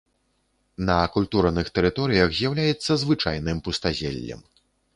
На акультураных тэрыторыях з'яўляецца звычайным пустазеллем.